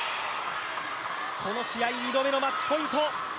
この試合２度目のマッチポイント。